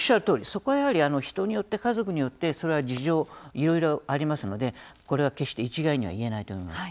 そこは、やはり人によって家族によってそれは事情いろいろありますのでこれは決して一概には言えないと思います。